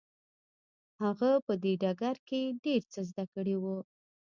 هغه په دې ډګر کې ډېر څه زده کړي وو.